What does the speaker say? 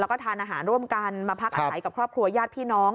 แล้วก็ทานอาหารร่วมกันมาพักอาศัยกับครอบครัวญาติพี่น้อง